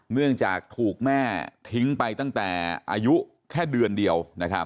เนื่องจากถูกแม่ทิ้งไปตั้งแต่อายุแค่เดือนเดียว